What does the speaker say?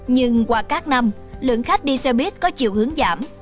nhưng qua các năm lượng khách đi xe buýt có chiều hướng giảm